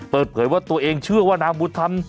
เปิดเผยว่าตัวเองเชื่อว่านางบุญธรรม